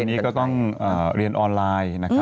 อันนี้ก็ต้องเรียนออนไลน์นะครับ